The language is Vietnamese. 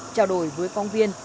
trao đổi với công viên